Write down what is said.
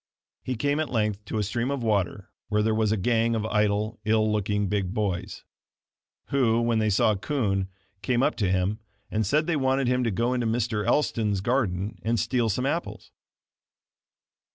He came at length to a stream of water where there was a gang of idle, ill looking, big boys; who, when they saw Kund, came up to him; and said they wanted him to go into Mr. Elston's garden and steal some apples.